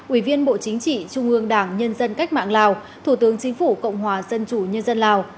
ủy viên bộ chính trị trung ương đảng nhân dân cách mạng lào thủ tướng chính phủ cộng hòa dân chủ nhân dân lào